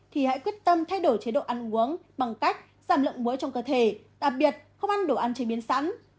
thì hãy quyết tâm thay đổi chế độ ăn uống bằng cách giảm lượng muối trong cơ thể đặc biệt không ăn đồ ăn chế biến sẵn